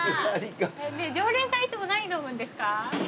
常連さんいつも何飲むんですか？